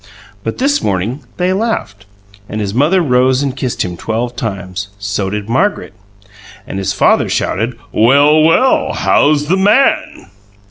But this morning they laughed; his mother rose and kissed him twelve times, so did Margaret; and his father shouted, "Well, well! How's the MAN?"